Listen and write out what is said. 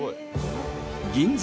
銀座